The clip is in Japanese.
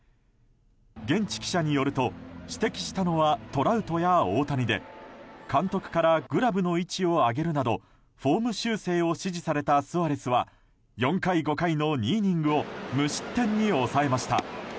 現地記者によると、指摘したのはトラウトや大谷で監督からグラブの位置を上げるなどフォーム修正を指示されたスアレスは４回、５回の２イニングを無失点に抑えました。